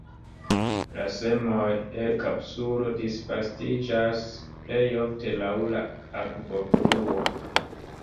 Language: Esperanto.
La semoj, el kapsulo, disvastiĝas plejofte laŭ la akvofluo.